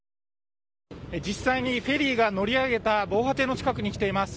実際にフェリーが乗り上げた防波堤の近くに来ています。